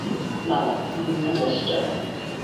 না না, বৃথা চেষ্টা।